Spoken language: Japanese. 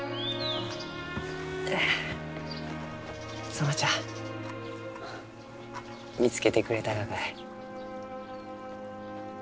園ちゃん見つけてくれたがかえ？